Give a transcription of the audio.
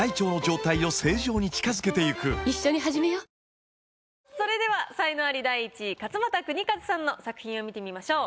あぁそれでは才能アリ第１位勝俣州和さんの作品を見てみましょう。